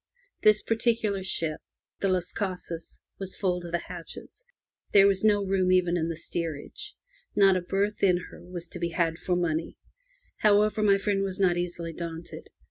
This particular ship, the Las CasaSy was full to the hatches; there was no room even in the steerage. Not a berth in her was to be had for money. However, my friend was not easily daunted.